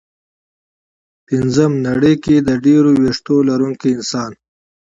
ه نړۍ کې د ډېرو وېښتو لرونکي انسان